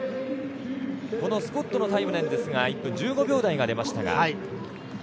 このスコットのタイムですが１分１５秒台が出ましたが。